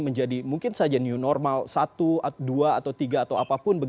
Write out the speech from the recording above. menjadi mungkin saja new normal satu dua atau tiga atau apapun